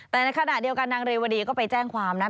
แต่ในขณะเดียวกันนางเรวดีก็ไปแจ้งความนะ